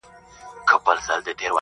پرون دي بيا راته غمونه راكړل_